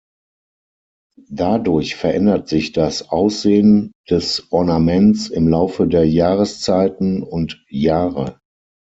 Dadurch verändert sich das Aussehen des Ornaments im Laufe der Jahreszeiten und Jahre.